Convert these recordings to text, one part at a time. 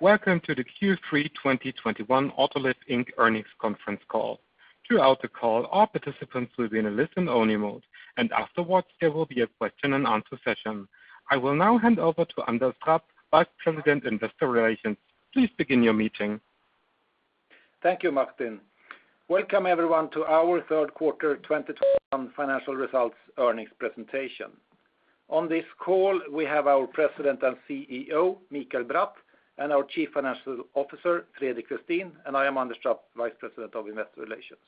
Welcome to the Q3 2021 Autoliv, Inc. Earnings Conference Call. Throughout the call, all participants will be in a listen-only mode, and afterwards, there will be a question-and-answer session. I will now hand over to Anders Trapp, Vice President, Investor Relations. Please begin your meeting. Thank you, Martin. Welcome, everyone, to our Third Quarter 2021 Financial Results Earnings Presentation. On this call, we have our President and CEO, Mikael Bratt, and our Chief Financial Officer, Fredrik Westin, and I am Anders Trapp, Vice President of Investor Relations.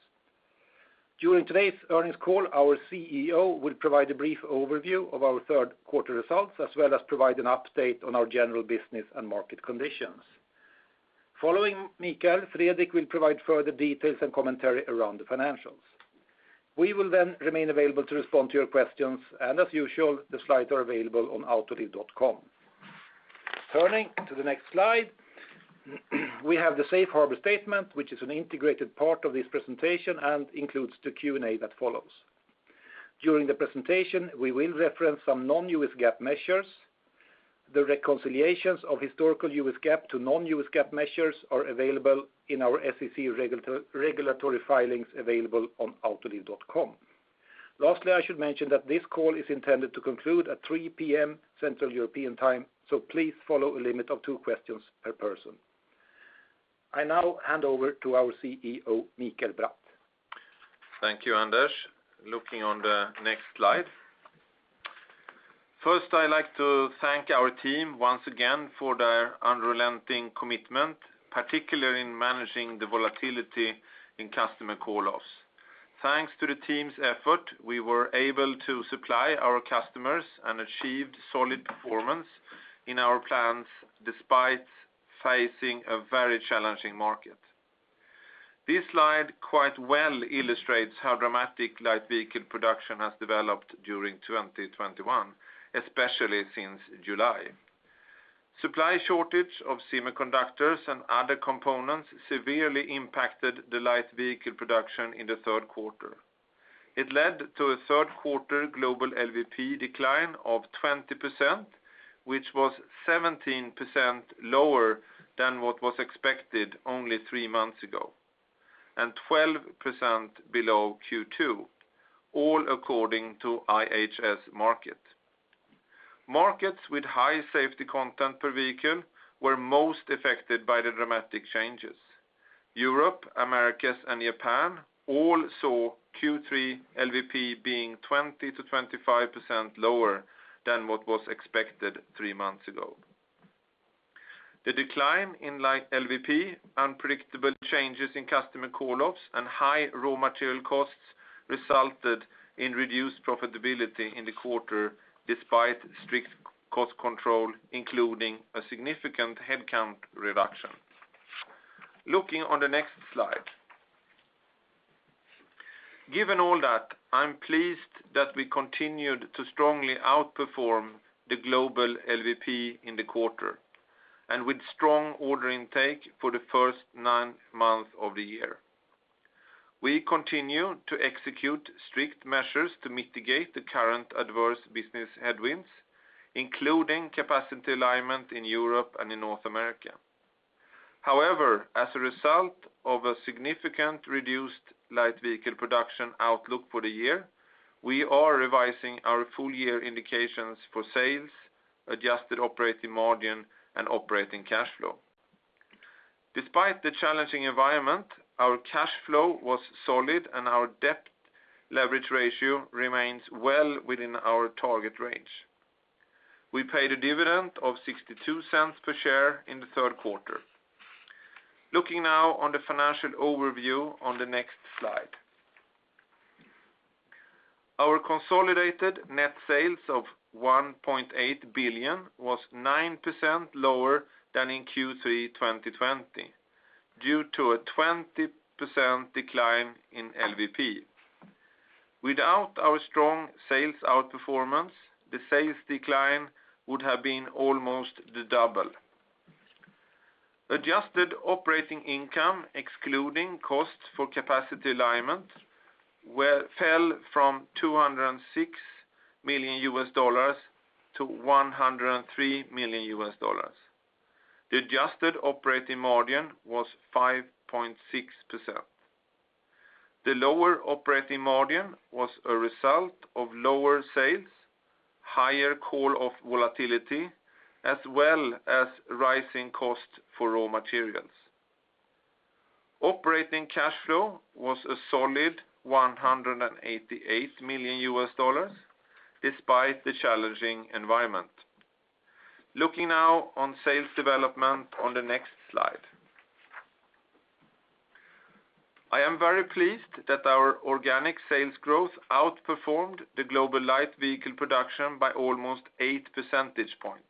During today's earnings call, our CEO will provide a brief overview of our third quarter results, as well as provide an update on our general business and market conditions. Following Mikael, Fredrik will provide further details and commentary around the financials. We will then remain available to respond to your questions, and as usual, the slides are available on autoliv.com. Turning to the next slide, we have the safe harbor statement, which is an integrated part of this presentation and includes the Q&A that follows. During the presentation, we will reference some non-US GAAP measures. The reconciliations of historical US GAAP to non-US GAAP measures are available in our SEC regulatory filings available on autoliv.com. Lastly, I should mention that this call is intended to conclude at 3:00 P.M. Central European Time, so please follow a limit of two questions per person. I now hand over to our CEO, Mikael Bratt. Thank you, Anders. Looking on the next slide. First, I'd like to thank our team once again for their unrelenting commitment, particularly in managing the volatility in customer call-offs. Thanks to the team's effort, we were able to supply our customers and achieved solid performance in our plans despite facing a very challenging market. This slide quite well illustrates how dramatic Light Vehicle Production has developed during 2021, especially since July. Supply shortage of semiconductors and other components severely impacted the Light Vehicle Production in the third quarter. It led to a third quarter global LVP decline of 20%, which was 17% lower than what was expected only three months ago, and 12% below Q2, all according to IHS Markit. Markets with high safety content per vehicle were most affected by the dramatic changes. Europe, Americas, and Japan all saw Q3 LVP being 20%-25% lower than what was expected three months ago. The decline in LVP, unpredictable changes in customer call-offs, and high raw material costs resulted in reduced profitability in the quarter, despite strict cost control, including a significant headcount reduction. Looking on the next slide. Given all that, I'm pleased that we continued to strongly outperform the global LVP in the quarter, and with strong order intake for the first nine months of the year. We continue to execute strict measures to mitigate the current adverse business headwinds, including capacity alignment in Europe and in North America. However, as a result of a significantly reduced light vehicle production outlook for the year, we are revising our full-year indications for sales, adjusted operating margin, and operating cash flow. Despite the challenging environment, our cash flow was solid, and our debt leverage ratio remains well within our target range. We paid a dividend of $0.62 per share in the third quarter. Looking now on the financial overview on the next slide. Our consolidated net sales of $1.8 billion was 9% lower than in Q3 2020 due to a 20% decline in LVP. Without our strong sales outperformance, the sales decline would have been almost double. Adjusted operating income, excluding costs for capacity alignment, fell from $206 million to $103 million. The adjusted operating margin was 5.6%. The lower operating margin was a result of lower sales, higher call-off volatility, as well as rising costs for raw materials. Operating cash flow was a solid $188 million despite the challenging environment. Looking now on sales development on the next slide. I am very pleased that our organic sales growth outperformed the global light vehicle production by almost eight percentage points.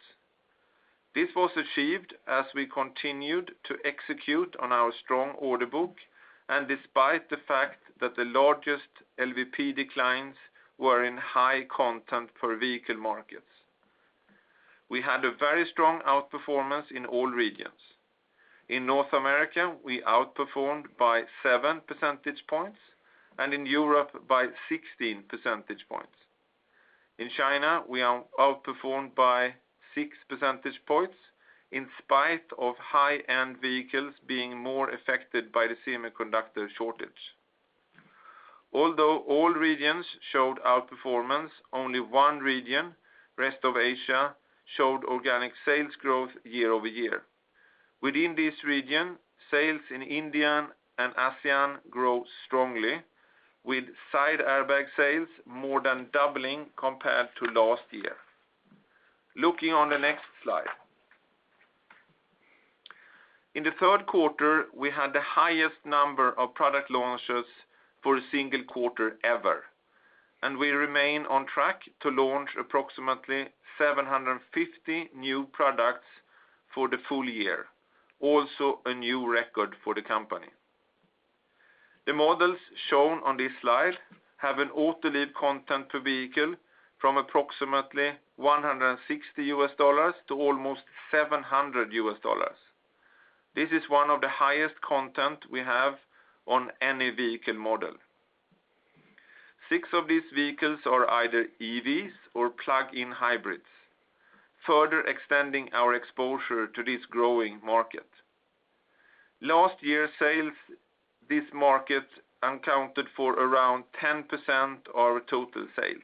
This was achieved as we continued to execute on our strong order book, and despite the fact that the largest LVP declines were in high content per vehicle markets. We had a very strong outperformance in all regions. In North America, we outperformed by seven percentage points, and in Europe by 16 percentage points. In China, we outperformed by six percentage points in spite of high-end vehicles being more affected by the semiconductor shortage. Although all regions showed outperformance, only one region, rest of Asia, showed organic sales growth year-over-year. Within this region, sales in India and ASEAN grew strongly, with side airbag sales more than doubling compared to last year. Looking on the next slide. In the third quarter, we had the highest number of product launches for a single quarter ever, and we remain on track to launch approximately 750 new products for the full-year. Also a new record for the company. The models shown on this slide have an Autoliv content per vehicle from approximately $160-$700. This is one of the highest content we have on any vehicle model. Six of these vehicles are either EVs or plug-in hybrids, further extending our exposure to this growing market. Last year, sales this market accounted for around 10% of our total sales.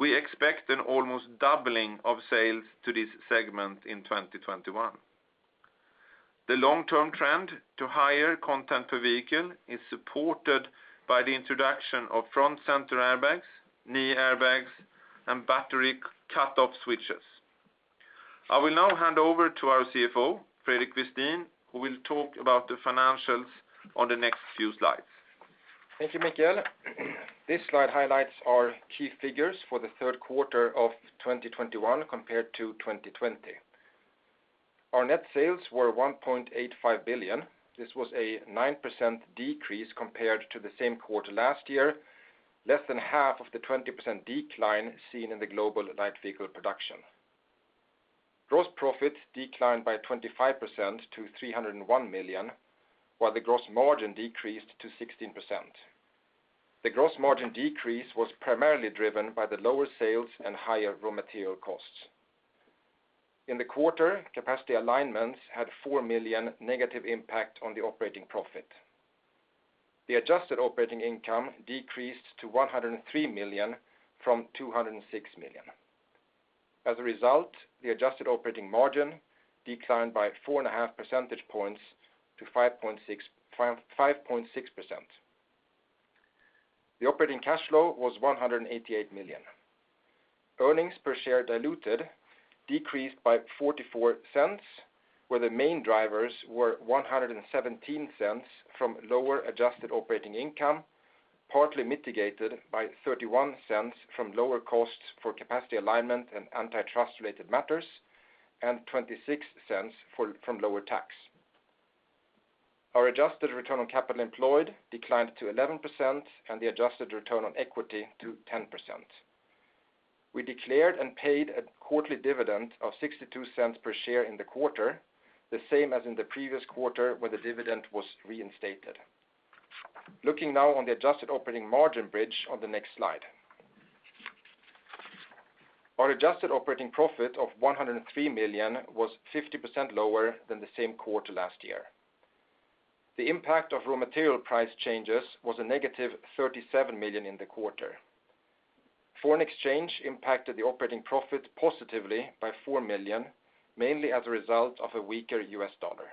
We expect an almost doubling of sales to this segment in 2021. The long-term trend to higher content per vehicle is supported by the introduction of front center airbags, knee airbags, and battery cutoff switches. I will now hand over to our CFO, Fredrik Westin, who will talk about the financials on the next few slides. Thank you, Mikael. This slide highlights our key figures for the third quarter of 2021 compared to 2020. Our net sales were $1.85 billion. This was a 9% decrease compared to the same quarter last year, less than half of the 20% decline seen in the global light vehicle production. Gross profit declined by 25% to $301 million, while the gross margin decreased to 16%. The gross margin decrease was primarily driven by the lower sales and higher raw material costs. In the quarter, capacity alignments had $4 million negative impact on the operating profit. The adjusted operating income decreased to $103 million from $206 million. As a result, the adjusted operating margin declined by 4.5 percentage points to 5.6%. The operating cash flow was $188 million. Earnings per share diluted decreased by $0.44, where the main drivers were $1.17 from lower adjusted operating income, partly mitigated by $0.31 from lower costs for capacity alignment and antitrust-related matters, and $0.26 from lower tax. Our adjusted return on capital employed declined to 11%, and the adjusted return on equity to 10%. We declared and paid a quarterly dividend of $0.62 per share in the quarter, the same as in the previous quarter where the dividend was reinstated. Looking now on the adjusted operating margin bridge on the next slide. Our adjusted operating profit of $103 million was 50% lower than the same quarter last year. The impact of raw material price changes was a negative $37 million in the quarter. Foreign exchange impacted the operating profit positively by $4 million, mainly as a result of a weaker U.S. dollar.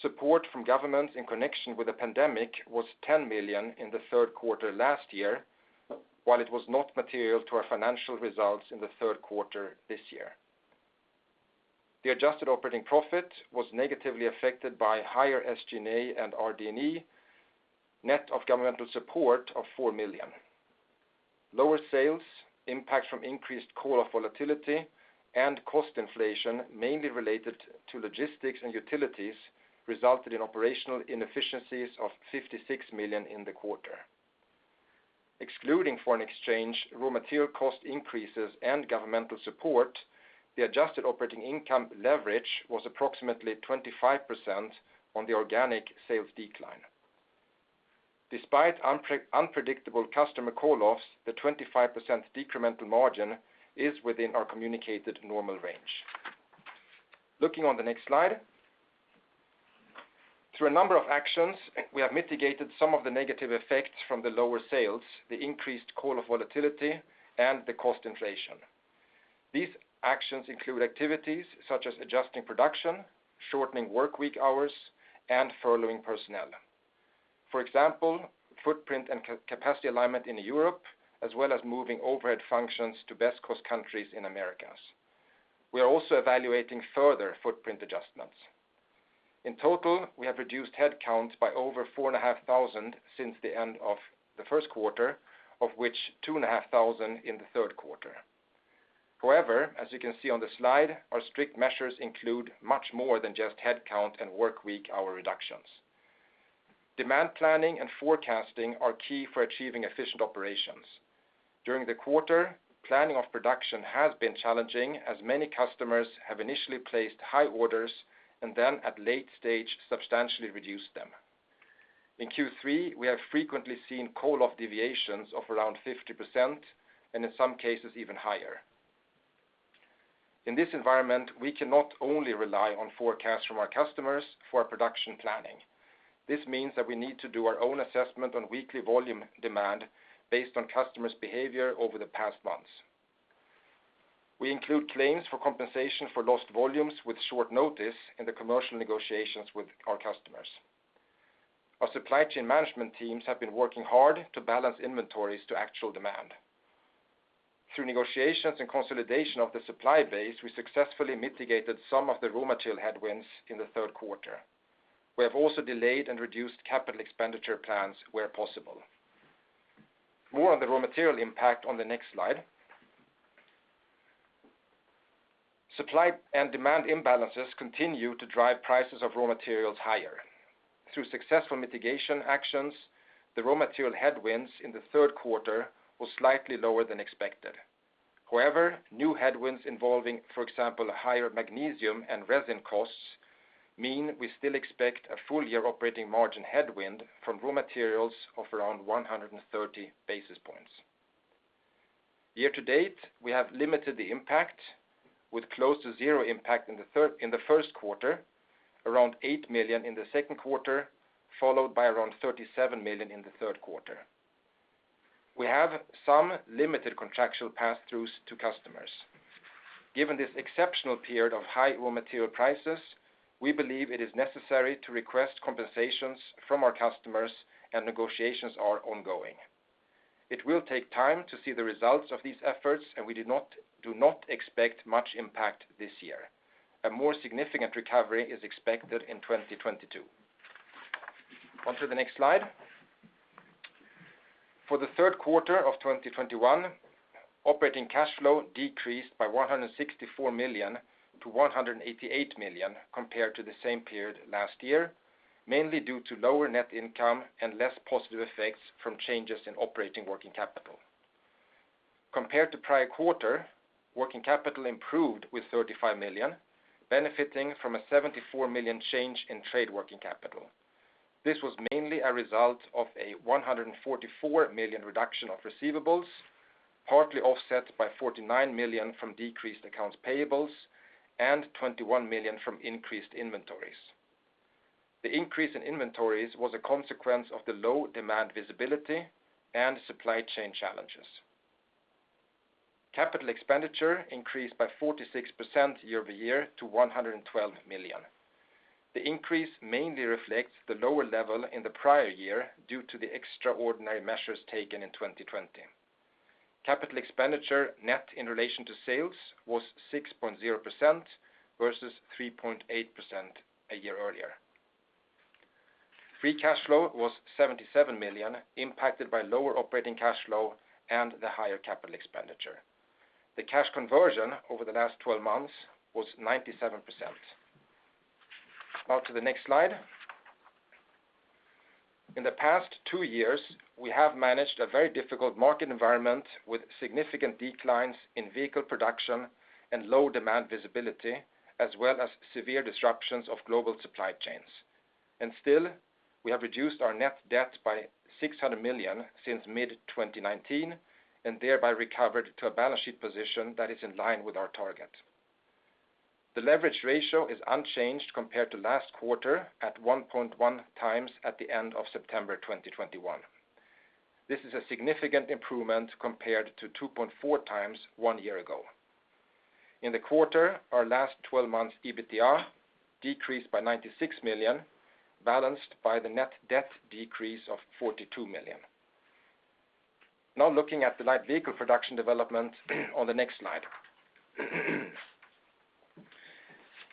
Support from governments in connection with the pandemic was $10 million in the third quarter last year, while it was not material to our financial results in the third quarter this year. The adjusted operating profit was negatively affected by higher SG&A and RD&E, net of governmental support of $4 million. Lower sales, impact from increased call-off volatility, and cost inflation, mainly related to logistics and utilities, resulted in operational inefficiencies of $56 million in the quarter. Excluding foreign exchange, raw material cost increases, and governmental support, the adjusted operating income leverage was approximately 25% on the organic sales decline. Despite unpredictable customer call-offs, the 25% decremental margin is within our communicated normal range. Looking on the next slide. Through a number of actions, we have mitigated some of the negative effects from the lower sales, the increased call-off volatility, and the cost inflation. These actions include activities such as adjusting production, shortening work week hours, and furloughing personnel. For example, footprint and capacity alignment in Europe, as well as moving overhead functions to best cost countries in Americas. We are also evaluating further footprint adjustments. In total, we have reduced headcounts by over 4,500 since the end of the first quarter, of which 2,500 in the third quarter. However, as you can see on the slide, our strict measures include much more than just headcount and work week hour reductions. Demand planning and forecasting are key for achieving efficient operations. During the quarter, planning of production has been challenging, as many customers have initially placed high orders and then at late stage, substantially reduced them. In Q3, we have frequently seen call-off deviations of around 50%, and in some cases, even higher. In this environment, we cannot only rely on forecasts from our customers for production planning. This means that we need to do our own assessment on weekly volume demand based on customers' behavior over the past months. We include claims for compensation for lost volumes with short notice in the commercial negotiations with our customers. Our supply chain management teams have been working hard to balance inventories to actual demand. Through negotiations and consolidation of the supply base, we successfully mitigated some of the raw material headwinds in the third quarter. We have also delayed and reduced capital expenditure plans where possible. More on the raw material impact on the next slide. Supply and demand imbalances continue to drive prices of raw materials higher. Through successful mitigation actions, the raw material headwinds in the third quarter were slightly lower than expected. New headwinds involving, for example, higher magnesium and resin costs, mean we still expect a full-year operating margin headwind from raw materials of around 130 basis points. Year to date, we have limited the impact with close to zero impact in the first quarter, around $8 million in the second quarter, followed by around $37 million in the third quarter. We have some limited contractual passthroughs to customers. Given this exceptional period of high raw material prices, we believe it is necessary to request compensations from our customers and negotiations are ongoing. It will take time to see the results of these efforts, and we do not expect much impact this year. A more significant recovery is expected in 2022. On to the next slide. For the third quarter of 2021, operating cash flow decreased by $164 million to $188 million compared to the same period last year, mainly due to lower net income and less positive effects from changes in operating working capital. Compared to prior quarter, working capital improved with $35 million, benefiting from a $74 million change in trade working capital. This was mainly a result of a $144 million reduction of receivables, partly offset by $49 million from decreased accounts payables, and $21 million from increased inventories. The increase in inventories was a consequence of the low demand visibility and supply chain challenges. Capital expenditure increased by 46% year-over-year to $112 million. The increase mainly reflects the lower level in the prior year due to the extraordinary measures taken in 2020. Capital expenditure net in relation to sales was 6.0% versus 3.8% a year earlier. Free cash flow was $77 million, impacted by lower operating cash flow and the higher capital expenditure. The cash conversion over the last 12 months was 97%. Now to the next slide. In the past two years, we have managed a very difficult market environment with significant declines in vehicle production and low demand visibility, as well as severe disruptions of global supply chains. Still, we have reduced our net debt by $600 million since mid-2019, and thereby recovered to a balance sheet position that is in line with our target. The leverage ratio is unchanged compared to last quarter at 1.1x at the end of September 2021. This is a significant improvement compared to 2.4x one year ago. In the quarter, our last 12 months EBITDA decreased by $96 million, balanced by the net debt decrease of $42 million. Looking at the Light Vehicle Production development on the next slide.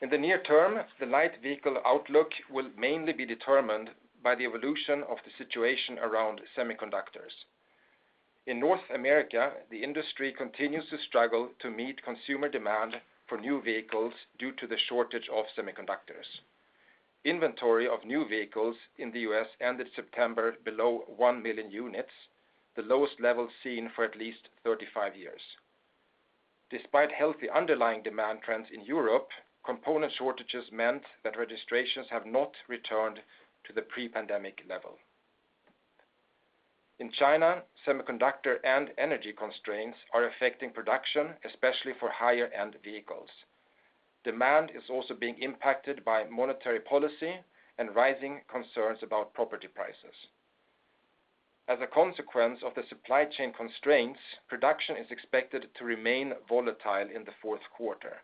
In the near term, the Light Vehicle outlook will mainly be determined by the evolution of the situation around semiconductors. In North America, the industry continues to struggle to meet consumer demand for new vehicles due to the shortage of semiconductors. Inventory of new vehicles in the U.S. ended September below 1 million units, the lowest level seen for at least 35 years. Despite healthy underlying demand trends in Europe, component shortages meant that registrations have not returned to the pre-pandemic level. In China, semiconductor and energy constraints are affecting production, especially for higher end vehicles. Demand is also being impacted by monetary policy and rising concerns about property prices. As a consequence of the supply chain constraints, production is expected to remain volatile in the fourth quarter.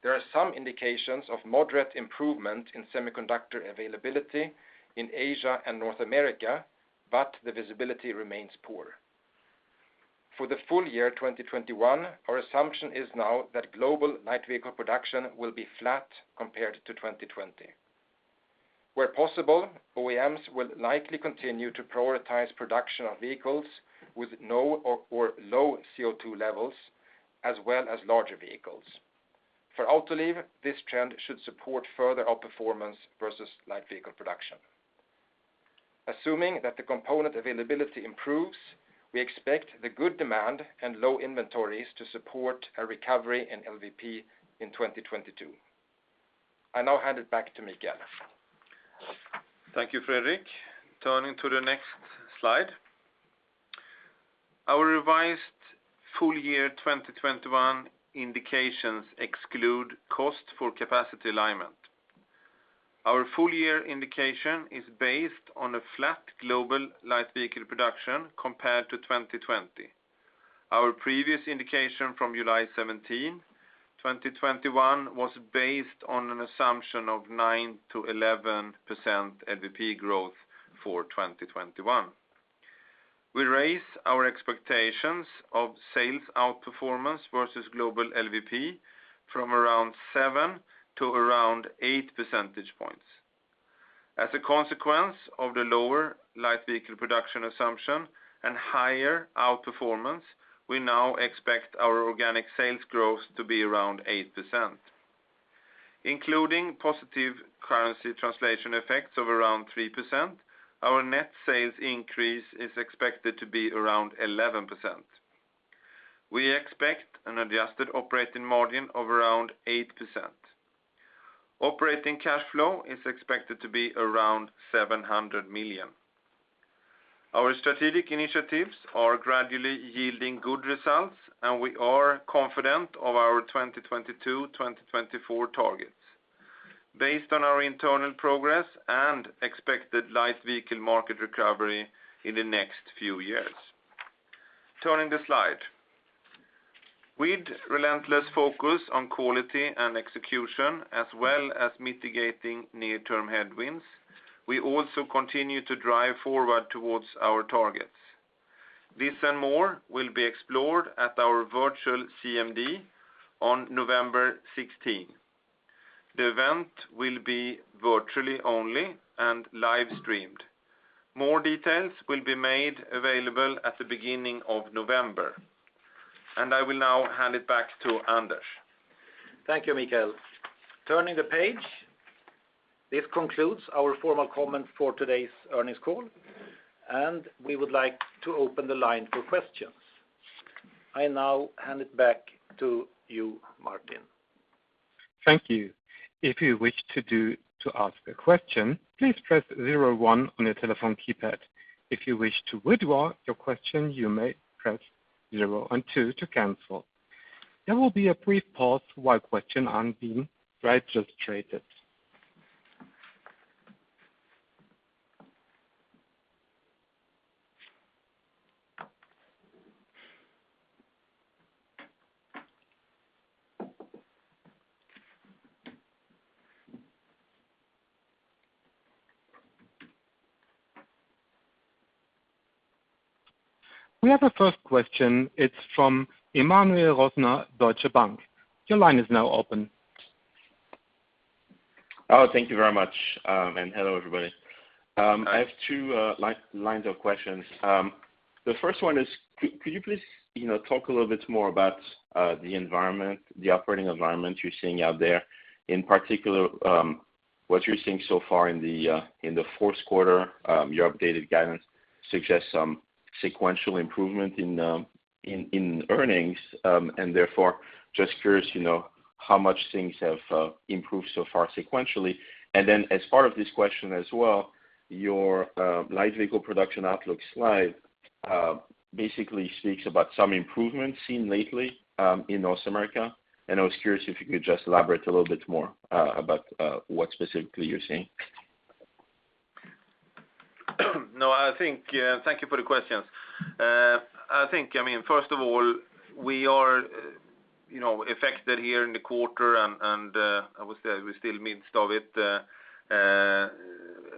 There are some indications of moderate improvement in semiconductor availability in Asia and North America, but the visibility remains poor. For the full-year 2021, our assumption is now that global light vehicle production will be flat compared to 2020. Where possible, OEMs will likely continue to prioritize production of vehicles with no or low CO2 levels, as well as larger vehicles. For Autoliv, this trend should support further outperformance versus Light Vehicle Production. Assuming that the component availability improves, we expect the good demand and low inventories to support a recovery in LVP in 2022. I now hand it back to Mikael. Thank you, Fredrik. Turning to the next slide. Our revised full-year 2021 indications exclude cost for capacity alignment. Our full-year indication is based on a flat global light vehicle production compared to 2020. Our previous indication from 17 July 2021, was based on an assumption of 9%-11% LVP growth for 2021. We raise our expectations of sales outperformance versus global LVP from around 7% to around eight percentage points. As a consequence of the lower light vehicle production assumption and higher outperformance, we now expect our organic sales growth to be around 8%. Including positive currency translation effects of around 3%, our net sales increase is expected to be around 11%. We expect an adjusted operating margin of around 8%. Operating cash flow is expected to be around $700 million. Our strategic initiatives are gradually yielding good results, and we are confident of our 2022/2024 targets based on our internal progress and expected light vehicle market recovery in the next few years. Turning the slide. With relentless focus on quality and execution, as well as mitigating near-term headwinds, we also continue to drive forward towards our targets. This and more will be explored at our virtual CMD on 16 November. The event will be virtually only and live-streamed. More details will be made available at the beginning of November. I will now hand it back to Anders. Thank you, Mikael. Turning the page. This concludes our formal comment for today's earnings call, and we would like to open the line for questions. I now hand it back to you, Martin. Thank you. If you wish to ask a question, please press zero one on your telephone keypad. If you wish to withdraw your question, you may press zero and two to cancel. There will be a brief pause while questions are being registered. We have a first question. It is from Emmanuel Rosner, Deutsche Bank. Your line is now open. Thank you very much. Hello, everybody. I have two lines of questions. The first one is could you please talk a little bit more about the operating environment you are seeing out there, in particular, what you are seeing so far in the fourth quarter? Your updated guidance suggests some sequential improvement in earnings. Therefore, I am just curious how much things have improved so far sequentially. As part of this question as well, your Light Vehicle Production outlook slide basically speaks about some improvements seen lately in North America. I was curious if you could just elaborate a little bit more about what specifically you are seeing. Thank you for the questions. First of all, we are affected here in the quarter, I would say we're still midst of it,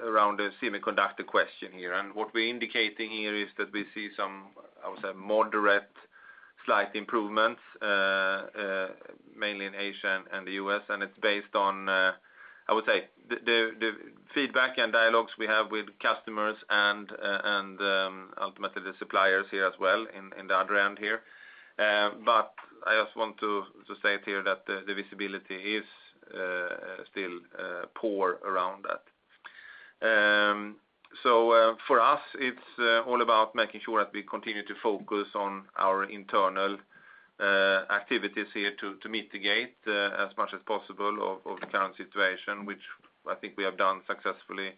around the semiconductor question here. What we're indicating here is that we see some, I would say, moderate slight improvements, mainly in Asia and the U.S., it's based on, I would say, the feedback and dialogues we have with customers and ultimately the suppliers here as well in the other end here. I just want to state here that the visibility is still poor around that. For us, it's all about making sure that we continue to focus on our internal activities here to mitigate as much as possible of the current situation, which I think we have done successfully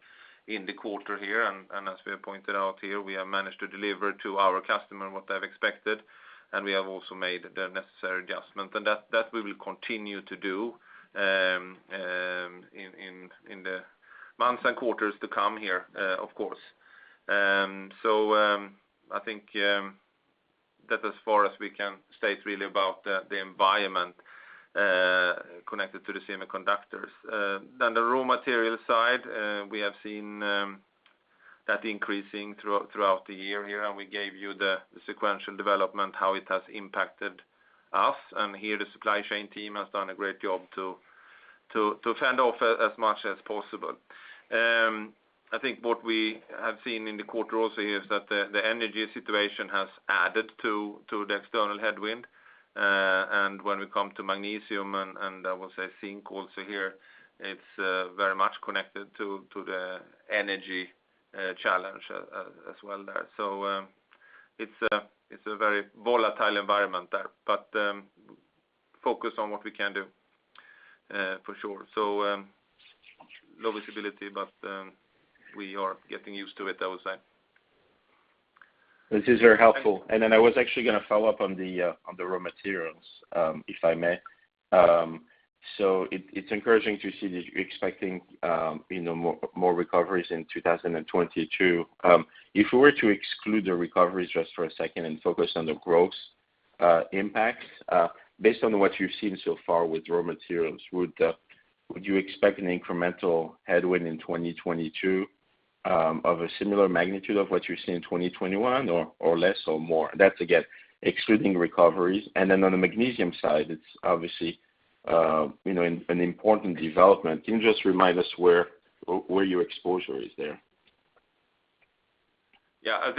in the quarter here. As we have pointed out here, we have managed to deliver to our customer what they have expected, and we have also made the necessary adjustments. That we will continue to do in the months and quarters to come here, of course. I think that as far as we can state really about the environment connected to the semiconductors. The raw material side, we have seen that increasing throughout the year here, and we gave you the sequential development, how it has impacted us. Here the supply chain team has done a great job to fend off as much as possible. I think what we have seen in the quarter also here is that the energy situation has added to the external headwind. When we come to magnesium, and I would say zinc also here, it's very much connected to the energy challenge as well there. It's a very volatile environment there, but focus on what we can do for sure. Low visibility, but we are getting used to it, I would say. This is very helpful. I was actually going to follow up on the raw materials, if I may. It's encouraging to see that you're expecting more recoveries in 2022. If we were to exclude the recoveries just for a second and focus on the growth impacts, based on what you've seen so far with raw materials, would you expect an incremental headwind in 2022 of a similar magnitude of what you see in 2021, or less, or more? That's, again, excluding recoveries. On the magnesium side, it's obviously an important development. Can you just remind us where your exposure is there? Yeah.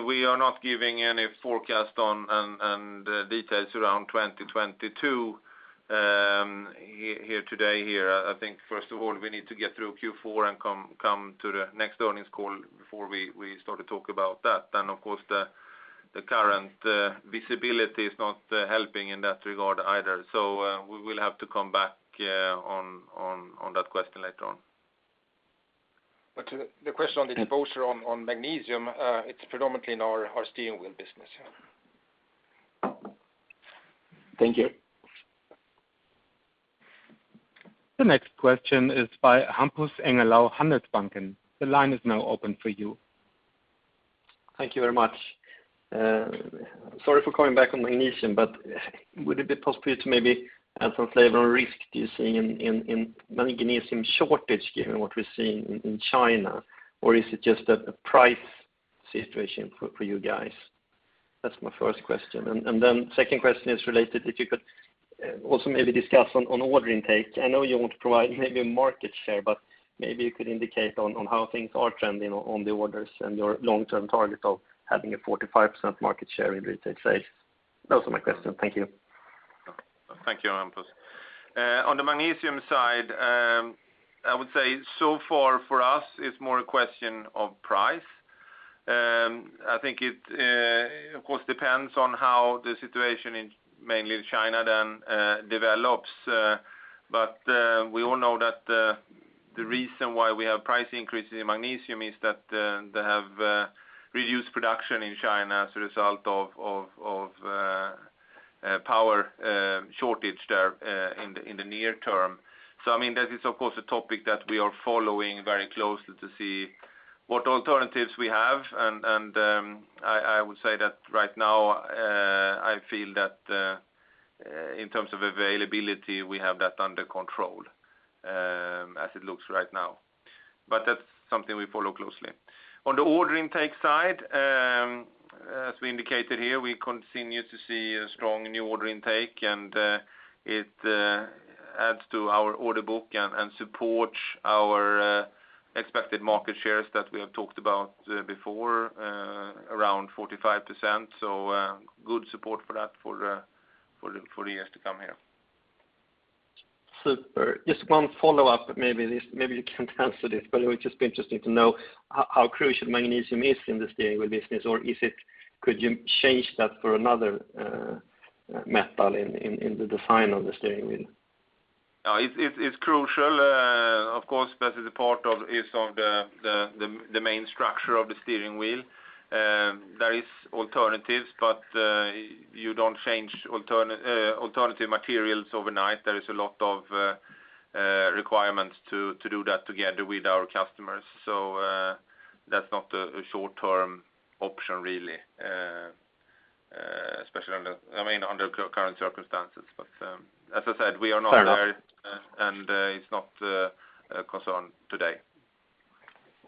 We are not giving any forecast on and details around 2022 here today. I think, first of all, we need to get through Q4 and come to the next earnings call before we start to talk about that. Of course, the current visibility is not helping in that regard either. We will have to come back on that question later on. The question on the exposure on magnesium, it's predominantly in our steering wheel business. Thank you. The next question is by Hampus Engellau, Handelsbanken. The line is now open for you. Thank you very much. Sorry for coming back on magnesium, would it be possible to maybe add some flavor on risk you see in magnesium shortage given what we're seeing in China? Or is it just a price situation for you guys? That's my first question. Second question is related, if you could also maybe discuss on order intake. I know you want to provide maybe a market share, maybe you could indicate on how things are trending on the orders and your long-term target of having a 45% market share in retail sales. Those are my question. Thank you. Thank you, Hampus. On the magnesium side, I would say so far for us, it's more a question of price. I think it, of course, depends on how the situation in mainly China develops. We all know that the reason why we have price increases in magnesium is that they have reduced production in China as a result of power shortage there in the near term. That is, of course, a topic that we are following very closely to see what alternatives we have, and I would say that right now, I feel that in terms of availability, we have that under control as it looks right now. That's something we follow closely. On the order intake side, as we indicated here, we continue to see a strong new order intake, and it adds to our order book and supports our expected market shares that we have talked about before, around 45%. Good support for that for years to come here. Super. Just one follow-up, maybe you can't answer this, but it would just be interesting to know how crucial magnesium is in the steering wheel business, or could you change that for another metal in the design of the steering wheel? It's crucial. Of course, that is a part of the main structure of the steering wheel. There is alternatives. You don't change alternative materials overnight. There is a lot of requirements to do that together with our customers. That's not a short-term option, really, especially under current circumstances. As I said, we are not there. Fair enough. It's not a concern today.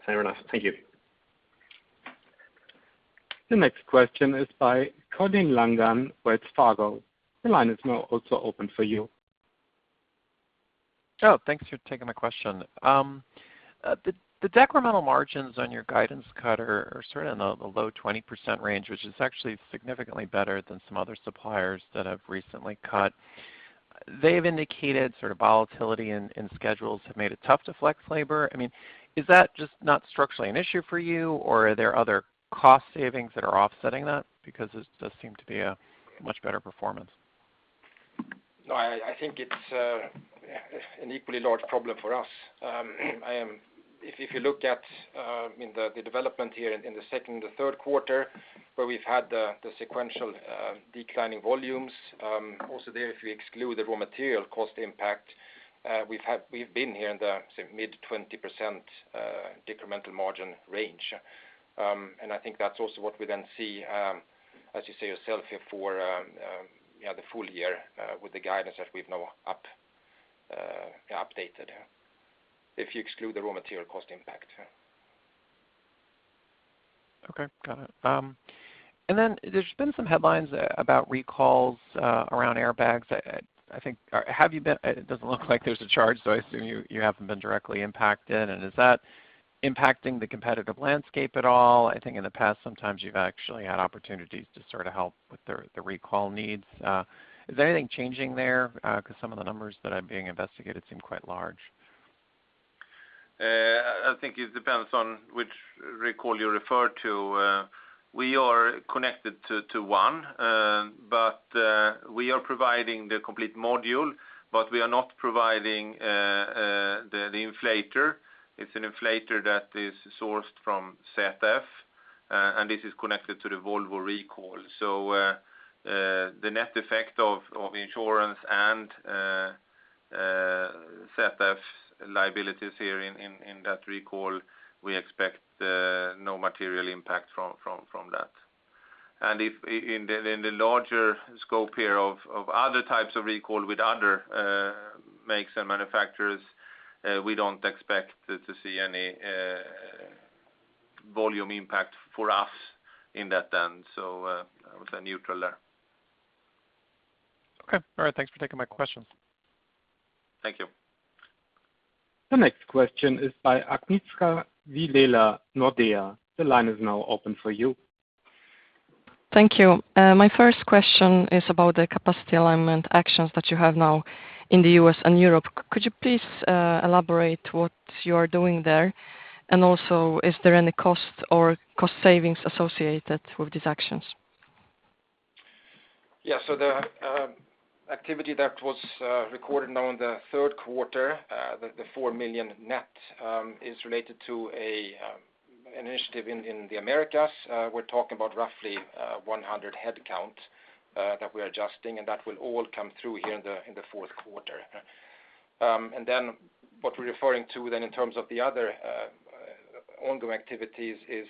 Fair enough. Thank you. The next question is by Colin Langan, Wells Fargo. The line is now also open for you. Thanks for taking my question. The decremental margins on your guidance cut are sort of in the low 20% range, which is actually significantly better than some other suppliers that have recently cut. They've indicated sort of volatility in schedules have made it tough to flex labor. Is that just not structurally an issue for you, or are there other cost savings that are offsetting that? It does seem to be a much better performance. No, I think it's an equally large problem for us. If you look at the development here in the second, the third quarter, where we've had the sequential declining volumes. Also there, if you exclude the raw material cost impact, we've been here in the mid-20% decremental margin range. I think that's also what we then see, as you say yourself here, for the full-year with the guidance that we've now updated here. If you exclude the raw material cost impact. Okay, got it. Then there's been some headlines about recalls around airbags. It doesn't look like there's a charge, so I assume you haven't been directly impacted. Is that impacting the competitive landscape at all? I think in the past, sometimes you've actually had opportunities to sort of help with the recall needs. Is anything changing there? Some of the numbers that are being investigated seem quite large. I think it depends on which recall you refer to. We are connected to one, but we are providing the complete module, but we are not providing the inflator. It's an inflator that is sourced from ZF, and this is connected to the Volvo recall. The net effect of insurance and ZF liabilities here in that recall, we expect no material impact from that. If in the larger scope here of other types of recall with other makes and manufacturers, we don't expect to see any volume impact for us in that then, I would say neutral there. Okay. All right. Thanks for taking my questions. Thank you. The next question is by Agnieszka Vilela, Nordea. The line is now open for you. Thank you. My first question is about the capacity alignment actions that you have now in the U.S. and Europe. Could you please elaborate what you are doing there? Is there any cost or cost savings associated with these actions? The activity that was recorded now in the third quarter, the $4 million net, is related to an initiative in the Americas. We're talking about roughly 100 head count that we are adjusting, and that will all come through here in the fourth quarter. What we're referring to then in terms of the other ongoing activities is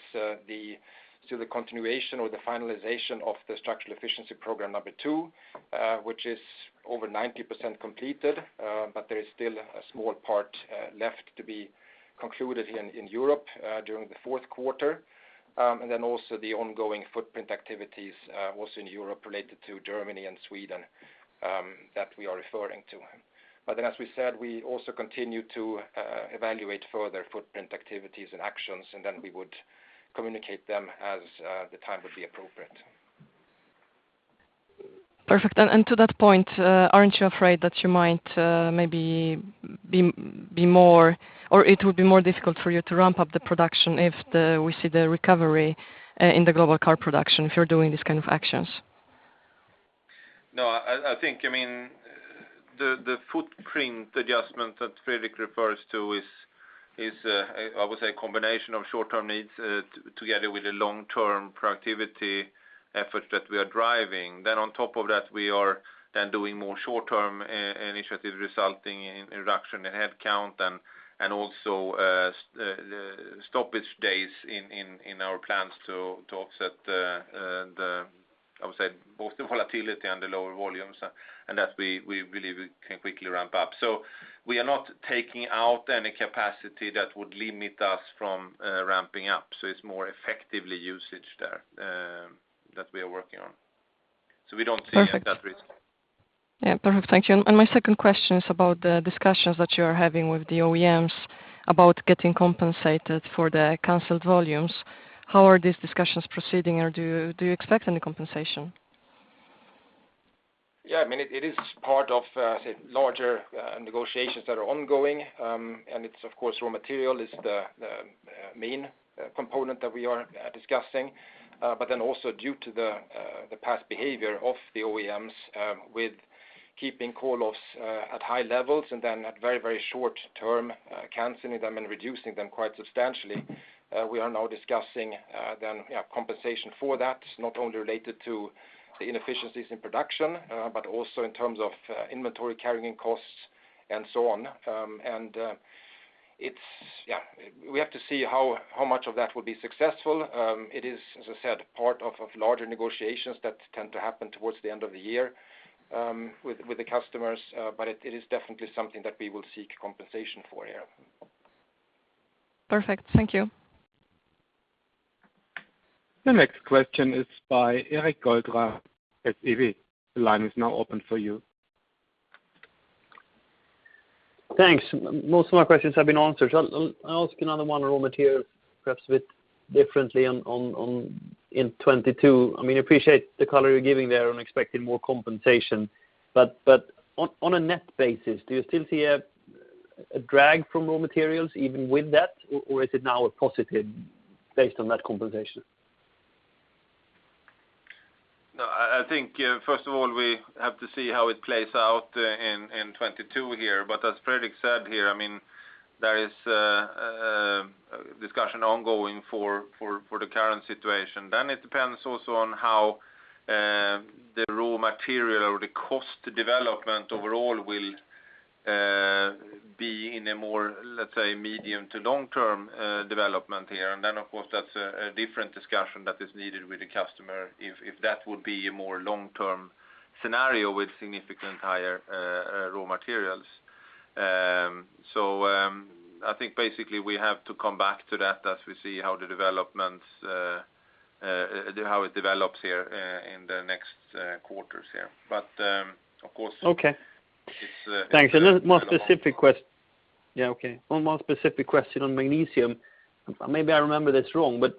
the continuation or the finalization of the structural efficiency program number two, which is over 90% completed. There is still a small part left to be concluded here in Europe during the fourth quarter. Also the ongoing footprint activities also in Europe related to Germany and Sweden that we are referring to. As we said, we also continue to evaluate further footprint activities and actions, and then we would communicate them as the time would be appropriate. Perfect. To that point, aren't you afraid that you might maybe be more, or it would be more difficult for you to ramp up the production if we see the recovery in the global car production if you're doing these kind of actions? No, I think the footprint adjustment that Fredrik refers to is, I would say, a combination of short-term needs together with the long-term productivity effort that we are driving. On top of that, we are then doing more short-term initiatives resulting in reduction in headcount and also stoppage days in our plants to offset the, I would say, both the volatility and the lower volumes, and that we believe we can quickly ramp up. We are not taking out any capacity that would limit us from ramping up. It's more effectively usage there that we are working on. We don't see that risk. Yeah. Perfect. Thank you. My second question is about the discussions that you're having with the OEMs about getting compensated for the canceled volumes. How are these discussions proceeding, or do you expect any compensation? Yeah, it is part of larger negotiations that are ongoing. It's of course, raw material is the main component that we are discussing. Also due to the past behavior of the OEMs with keeping call-offs at high levels and then at very short term, canceling them and reducing them quite substantially, we are now discussing then compensation for that. It's not only related to the inefficiencies in production, but also in terms of inventory carrying costs and so on. We have to see how much of that will be successful. It is, as I said, part of larger negotiations that tend to happen towards the end of the year with the customers. It is definitely something that we will seek compensation for here. Perfect. Thank you. The next question is by Erik Golrang, SEB. The line is now open for you. Thanks. Most of my questions have been answered. I'll ask another one on raw material, perhaps a bit differently on in 2022. I appreciate the color you're giving there on expecting more compensation. On a net basis, do you still see a drag from raw materials even with that, or is it now a positive based on that compensation? I think first of all, we have to see how it plays out in 2022 here. As Fredrik said here, there is a discussion ongoing for the current situation. It depends also on how the raw material or the cost development overall will be in a more, let's say, medium to long-term development here. Of course, that's a different discussion that is needed with the customer if that would be a more long-term scenario with significant higher raw materials. I think basically we have to come back to that as we see how it develops here in the next quarters. Of course. Okay it's Thanks. One more specific question on magnesium. Maybe I remember this wrong, but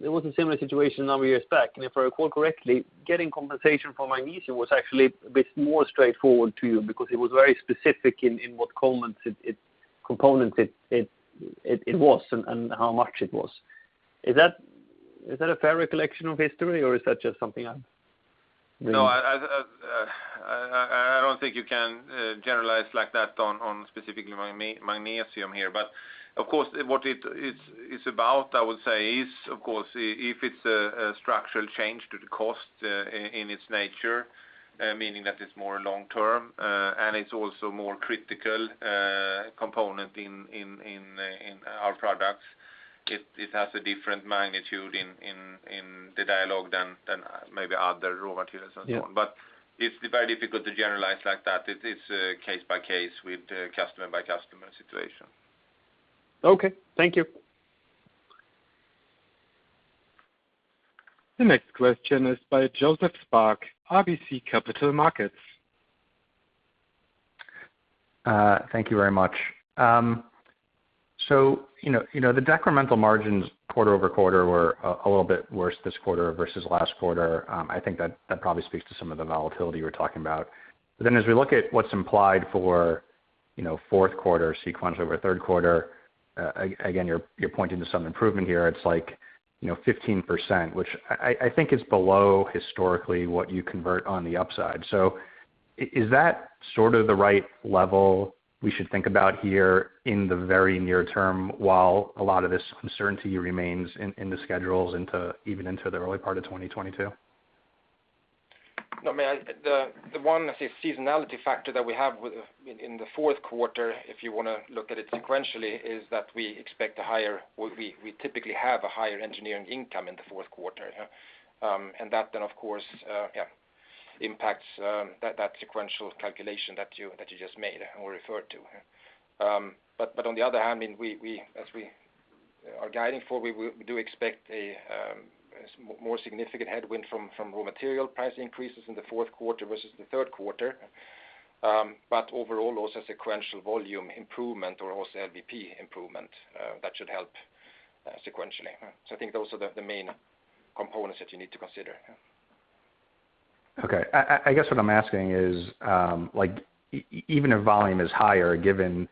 there was a similar situation a number of years back, and if I recall correctly, getting compensation for magnesium was actually a bit more straightforward to you because it was very specific in what components it was and how much it was. Is that a fair recollection of history, or is that just something I'm I don't think you can generalize like that on specifically magnesium here. Of course, what it's about, I would say, is if it's a structural change to the cost in its nature, meaning that it's more long-term, and it's also more critical component in our products, it has a different magnitude in the dialogue than maybe other raw materials and so on. Yeah. It's very difficult to generalize like that. It is case by case with customer by customer situation. Okay. Thank you. The next question is by Joseph Spak, RBC Capital Markets. Thank you very much. The decremental margins quarter-over-quarter were a little bit worse this quarter versus last quarter. I think that probably speaks to some of the volatility you were talking about. As we look at what's implied for fourth quarter sequential over third quarter, again, you're pointing to some improvement here. It's like 15%, which I think is below, historically, what you convert on the upside. Is that sort of the right level we should think about here in the very near term while a lot of this uncertainty remains in the schedules even into the early part of 2022? No, man, the one seasonality factor that we have in the fourth quarter, if you want to look at it sequentially, is that we typically have a higher engineering income in the fourth quarter. That then, of course, impacts that sequential calculation that you just made or referred to. On the other hand, as we are guiding for, we do expect a more significant headwind from raw material price increases in the fourth quarter versus the third quarter. Overall, also sequential volume improvement or also LVP improvement, that should help sequentially. I think those are the main components that you need to consider. Okay. I guess what I'm asking is, even if volume is higher, given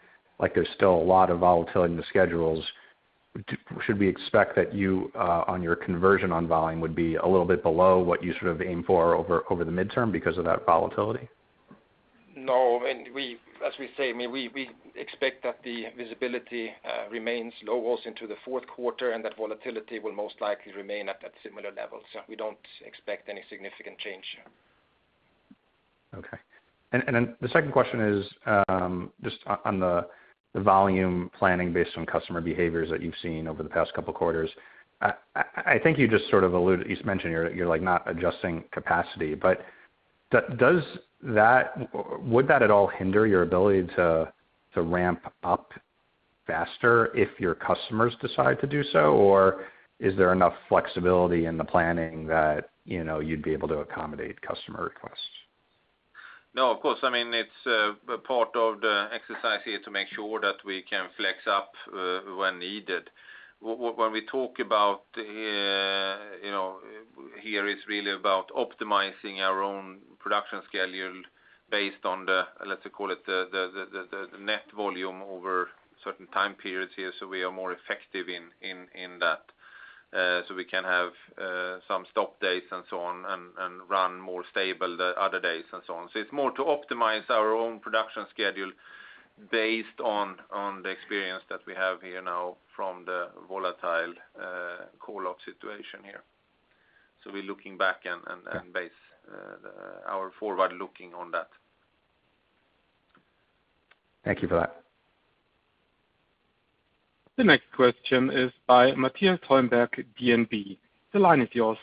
there's still a lot of volatility in the schedules, should we expect that you, on your conversion on volume, would be a little bit below what you sort of aim for over the midterm because of that volatility? No, as we say, we expect that the visibility remains low also into the fourth quarter, and that volatility will most likely remain at that similar level. We don't expect any significant change. Okay. The second question is, just on the volume planning based on customer behaviors that you've seen over the past couple of quarters, I think you just sort of alluded, you mentioned you're not adjusting capacity. Would that at all hinder your ability to ramp up faster if your customers decide to do so? Is there enough flexibility in the planning that you'd be able to accommodate customer requests? No, of course. It's a part of the exercise here to make sure that we can flex up when needed. When we talk about here is really about optimizing our own production schedule based on the, let's call it, the net volume over certain time periods here, so we are more effective in that. We can have some stock dates and so on, and run more stable the other days and so on. It's more to optimize our own production schedule based on the experience that we have here now from the volatile call-off situation here. We're looking back and base our forward-looking on that. Thank you for that. The next question is by Mattias Holmberg, DNB. The line is yours.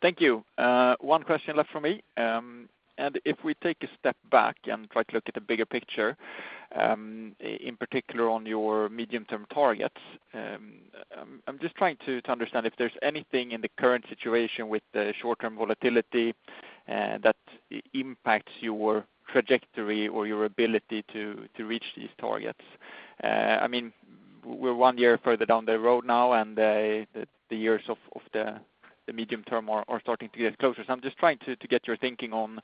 Thank you. One question left from me. If we take a step back and try to look at the bigger picture, in particular on your medium-term targets, I'm just trying to understand if there's anything in the current situation with the short-term volatility that impacts your trajectory or your ability to reach these targets. We're one year further down the road now, and the years of the medium term are starting to get closer. I'm just trying to get your thinking on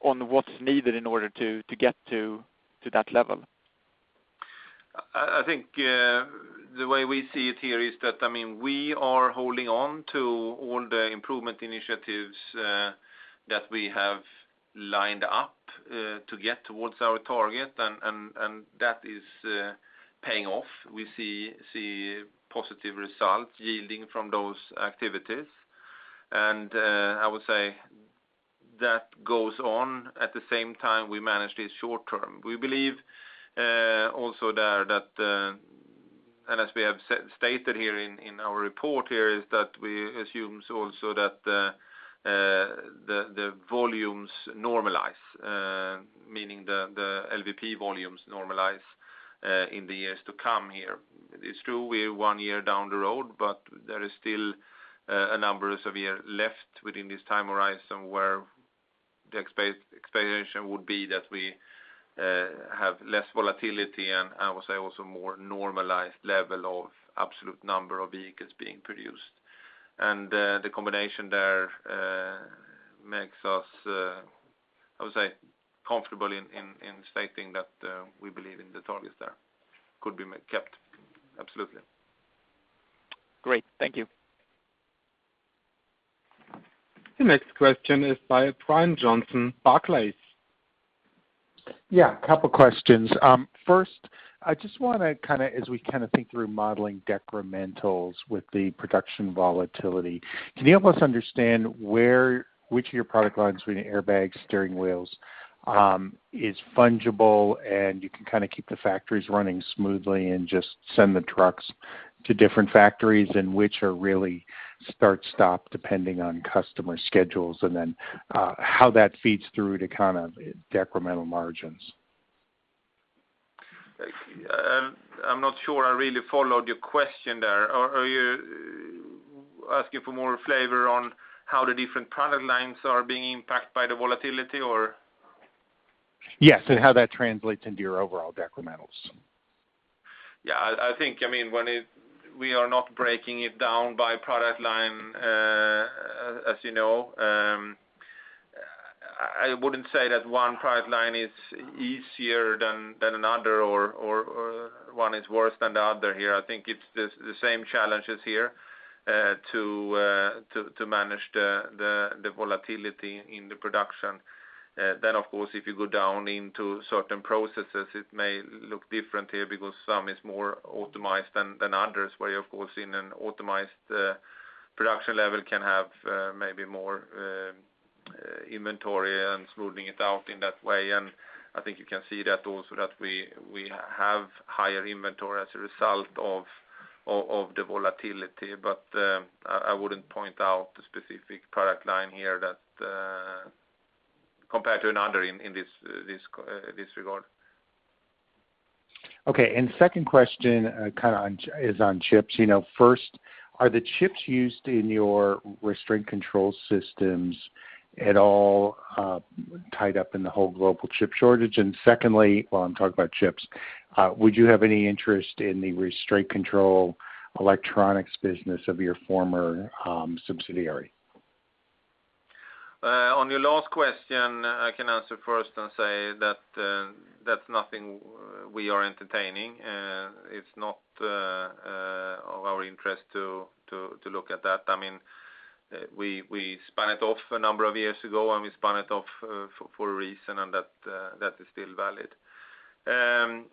what's needed in order to get to that level. I think the way we see it here is that we are holding on to all the improvement initiatives that we have lined up to get towards our target, and that is paying off. We see positive results yielding from those activities. I would say that goes on at the same time we manage the short term. We believe also there that as we have stated here in our report here, is that we assume also that the volumes normalize, meaning the LVP volumes normalize in the years to come here. It's true we're one year down the road, but there is still a number of years left within this time horizon where the expectation would be that we have less volatility and I would say also more normalized level of absolute number of vehicles being produced. The combination there makes us, I would say, comfortable in stating that we believe in the targets there could be kept. Absolutely. Great. Thank you. The next question is by Brian Johnson, Barclays. Yeah. Couple questions. First, I just want to, as we think through modeling decrementals with the production volatility, can you help us understand which of your product lines, whether airbags, steering wheels, is fungible and you can kind of keep the factories running smoothly and just send the trucks to different factories? How that feeds through to kind of decremental margins? I'm not sure I really followed your question there. Are you asking for more flavor on how the different product lines are being impacted by the volatility or Yes. How that translates into your overall decrementals. Yeah. I think, we are not breaking it down by product line, as you know. I wouldn't say that one product line is easier than another or one is worse than the other here. I think it's the same challenges here to manage the volatility in the production. Of course, if you go down into certain processes, it may look different here because some is more optimized than others, where you, of course, in an optimized production level, can have maybe more inventory and smoothing it out in that way. I think you can see that also that we have higher inventory as a result of the volatility. I wouldn't point out a specific product line here compared to another in this regard. Okay. Second question is on chips. First, are the chips used in your restraint control systems at all tied up in the whole global chip shortage? Secondly, while I'm talking about chips, would you have any interest in the restraint control electronics business of your former subsidiary? On your last question, I can answer first and say that's nothing we are entertaining. It's not of our interest to look at that. We spun it off a number of years ago, and we spun it off for a reason, and that is still valid. On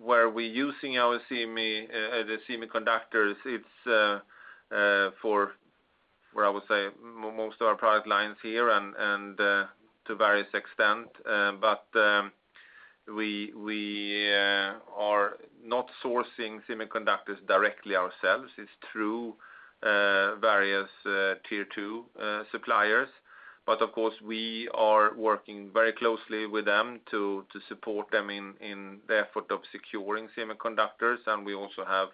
where we're using our semiconductors, it's for, I would say, most of our product lines here and to various extent. We are not sourcing semiconductors directly ourselves. It's through various Tier 2 suppliers. Of course, we are working very closely with them to support them in the effort of securing semiconductors, and we also have,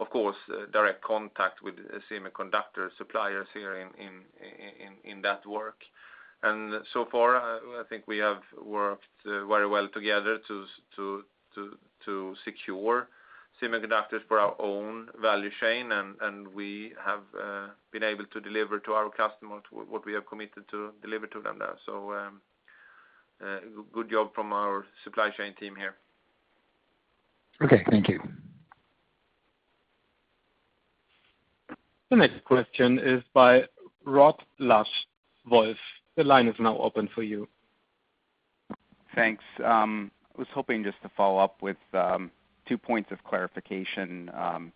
of course, direct contact with semiconductor suppliers here in that work. So far, I think we have worked very well together to secure semiconductors for our own value chain, and we have been able to deliver to our customers what we have committed to deliver to them there. Good job from our supply chain team here. Okay. Thank you. The next question is by Rod Lache, Wolfe. The line is now open for you. Thanks. I was hoping just to follow up with two points of clarification.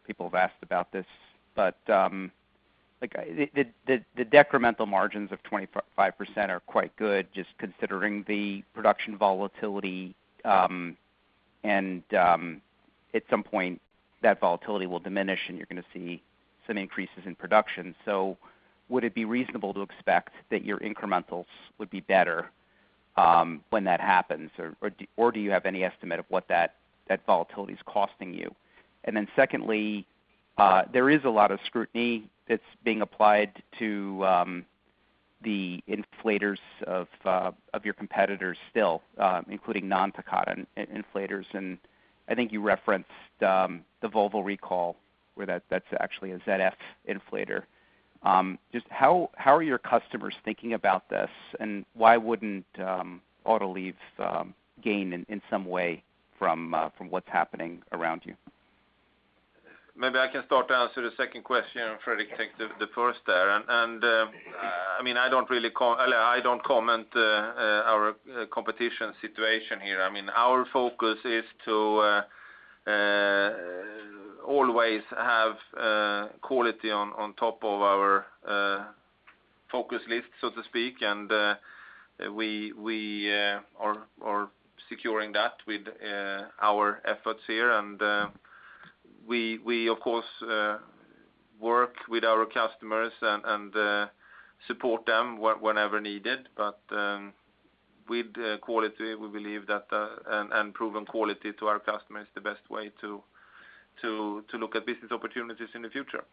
People have asked about this. The decremental margins of 25% are quite good, just considering the production volatility. At some point, that volatility will diminish, and you're going to see some increases in production. Would it be reasonable to expect that your incrementals would be better when that happens? Do you have any estimate of what that volatility is costing you? Secondly, there is a lot of scrutiny that's being applied to the inflators of your competitors still, including non-Takata inflators, and I think you referenced the Volvo recall, where that's actually a ZF inflator. Just how are your customers thinking about this, and why wouldn't Autoliv gain in some way from what's happening around you? Maybe I can start to answer the second question, and Fredrik take the first there. I don't comment our competition situation here. Our focus is to always have quality on top of our focus list, so to speak, and we are securing that with our efforts here. We, of course, work with our customers and support them whenever needed. With quality, we believe that proven quality to our customer is the best way to look at business opportunities in the future.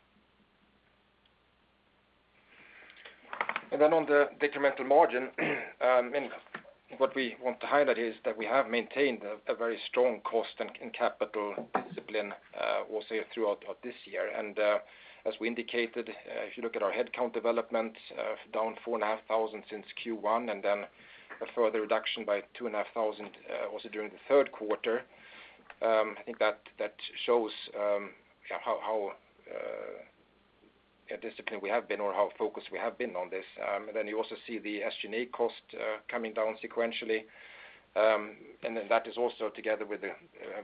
On the decremental margin, what we want to highlight is that we have maintained a very strong cost and capital discipline also throughout this year. As we indicated, if you look at our headcount development, down 4,500 since Q1, a further reduction by 2,500 also during the third quarter. I think that shows how disciplined we have been or how focused we have been on this. You also see the SG&A cost coming down sequentially. That is also together with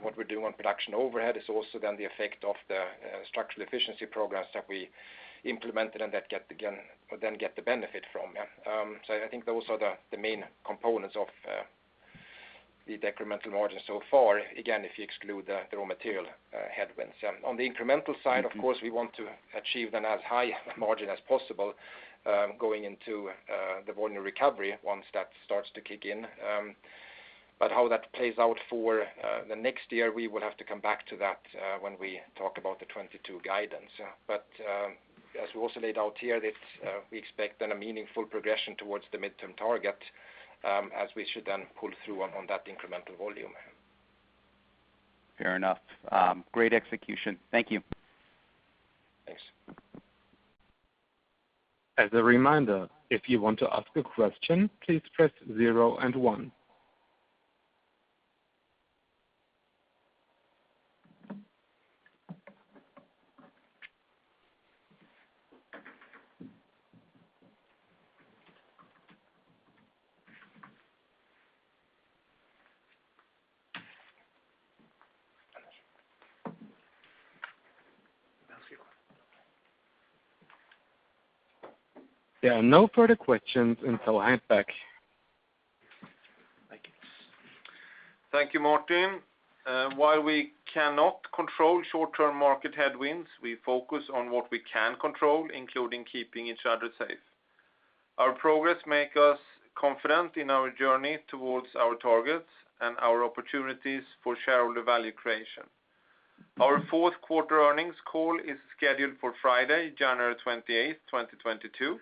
what we do on production overhead is also then the effect of the structural efficiency programs that we implemented and get the benefit from. I think those are the main components of the decremental margin so far, again, if you exclude the raw material headwinds. On the incremental side, of course, we want to achieve then as high a margin as possible going into the volume recovery once that starts to kick in. How that plays out for the next year, we will have to come back to that when we talk about the 2022 guidance. As we also laid out here, we expect then a meaningful progression towards the midterm target as we should then pull through on that incremental volume. Fair enough. Great execution. Thank you. Thanks. As a reminder, if you want to ask a question, please press zero and one. There are no further questions until hand back. Thank you, Martin. While we cannot control short-term market headwinds, we focus on what we can control, including keeping each other safe. Our progress make us confident in our journey towards our targets and our opportunities for shareholder value creation. Our fourth quarter earnings call is scheduled for Friday, 28th January 2022.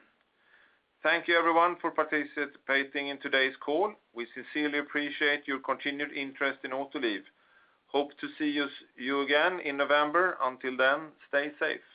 Thank you, everyone, for participating in today's call. We sincerely appreciate your continued interest in Autoliv. Hope to see you again in November. Until then, stay safe.